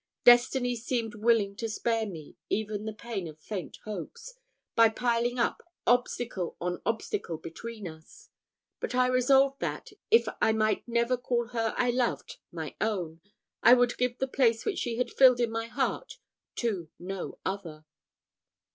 Destiny seemed willing to spare me even the pain of faint hopes, by piling up obstacle on obstacle between us; but I resolved that, if I might never call her I loved my own, I would give the place which she had filled in my heart to no other.